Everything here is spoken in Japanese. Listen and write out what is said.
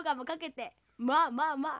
まあまあまあ。